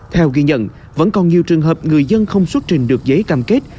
theo ghi nhận vẫn còn nhiều trường hợp người dân không xuất trình được giấy cam kết